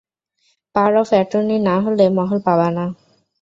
Power of attorney না হলে, মহল পাবা না।